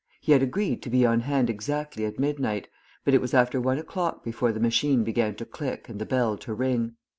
He had agreed to be on hand exactly at midnight, but it was after one o'clock before the machine began to click and the bell to ring.